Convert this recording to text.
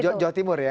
di jawa timur ya